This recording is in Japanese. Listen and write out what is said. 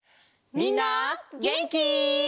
みんなげんき？